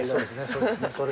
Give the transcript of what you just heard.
そうですね。